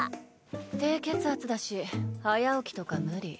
低血圧だし早起きとか無理。